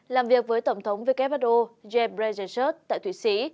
làm việc với tổng thống who james bredinger tại thủy sĩ